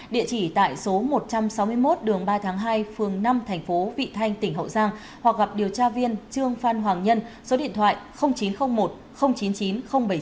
địa chỉ tại số một trăm sáu mươi một đường ba tháng hai phường năm thành phố vị thanh tỉnh hậu giang hoặc gặp điều tra viên trương phan hoàng nhân số điện thoại chín trăm linh một chín mươi chín bảy mươi chín để được hướng dẫn giải quyết